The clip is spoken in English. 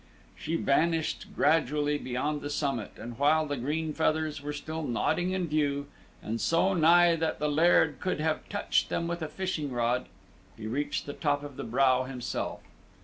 She vanished gradually beyond the summit, and while the green feathers were still nodding in view, and so nigh that the Laird could have touched them with a fishing rod, he reached the top of the brow himself.